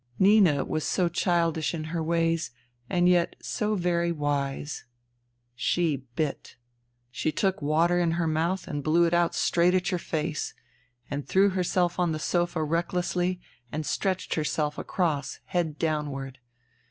Nina was so childish in her ways, and yet so very wise. She bit. She took water in her mouth and blew it out straight at your face, and threw herself on the sofa recklessly and stretched herself across, head downward.